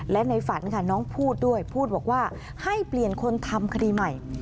และในฝันค่ะน้องพูดด้วยพูดบอกว่าให้เปลี่ยนคนทำคดีใหม่